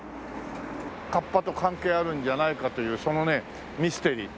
カッパと関係あるんじゃないかというそのねミステリー。